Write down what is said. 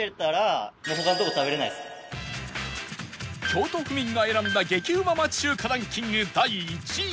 京都府民が選んだ激うま町中華ランキング第１位